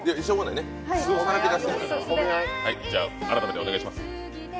じゃあ、改めてお願いします。